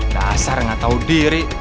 dasar gak tau diri